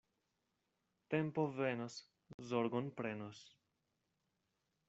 Tempo venos, zorgon prenos.